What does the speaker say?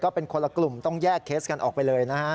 เป็นคนละกลุ่มต้องแยกเคสกันออกไปเลยนะฮะ